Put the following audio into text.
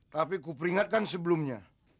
tapi kuperingatkan sebelumnya